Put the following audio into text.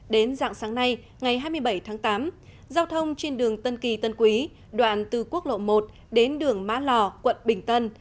đến dạng sáng nay ngày hai mươi bảy tháng tám giao thông trên đường tân kỳ tân quý đoạn từ quốc lộ một đến đường mã lò quận bình tân